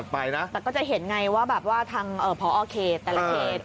แต่ก็จะเห็นไงว่าแบบว่าทางพอเขตแต่ละเขต